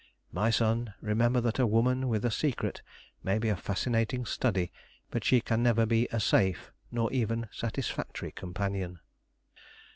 "My son, remember that a woman with a secret may be a fascinating study, but she can never be a safe, nor even satisfactory, companion."